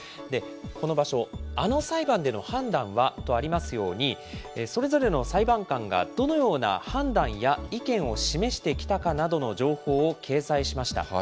この場所、あの裁判での判断は？とありますように、それぞれの裁判官がどのような判断や意見を示してきたかなどの情報を掲載しました。